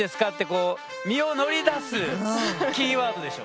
こう身を乗り出すキーワードでしょ。